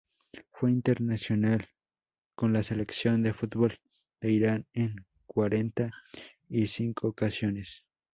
Fue internacional con la Selección de fútbol de Irán en cuarenta y cinco ocasiones.